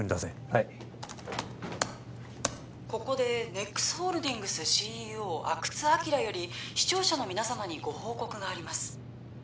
はいここでＮＥＸホールディングスＣＥＯ阿久津晃より視聴者の皆様にご報告があります